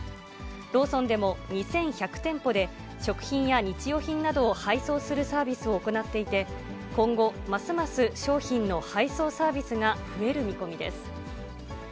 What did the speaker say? ローソンでも２１００店舗で、食品や日用品などを配送するサービスを行っていて、今後、ますます商品の配送サービスが増える見込みです。